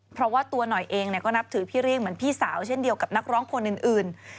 เพราะว่าตัวหน่อยเองก็นับถือพี่เรียกเหมือนพี่สาวเช่นเดียวกับนักร้องคนอื่น